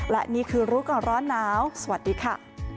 และนี่คือรู้ก่อนร้อนหนาวสวัสดีค่ะ